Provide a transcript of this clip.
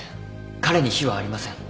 彼に非はありません